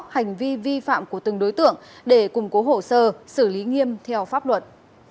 hành vi vi phạm của từng đối tượng để củng cố hồ sơ xử lý nghiêm theo pháp luật